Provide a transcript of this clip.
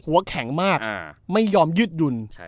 หัวแข็งมากไม่ยอมยืดหยุ่น